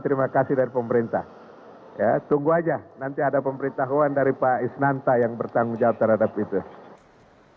terima kasih dari pemerintah ya tunggu aja nanti ada pemberitahuan dari pak isnanta yang bertanggung jawab terhadap itu